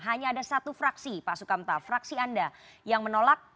hanya ada satu fraksi pak sukamta fraksi anda yang menolak